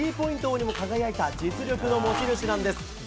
王にも輝いた実力の持ち主なんです。